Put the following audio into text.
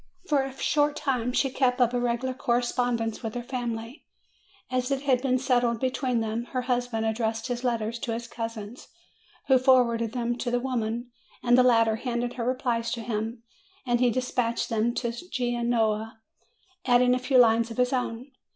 For a short time she kept up a regular correspondence with her family. As it had been settled between them, her husband addressed his letters to his cousin, who forwarded them to the woman, and the latter handed her replies to him, and he dispatched them to Genoa, adding a few lines of his own.